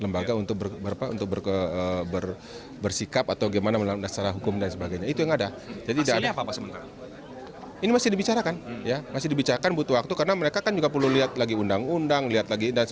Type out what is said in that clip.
bapak soehardi alius